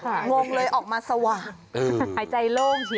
อ้าวงงเลยออกมาสว่างหายใจโล่งเฉียว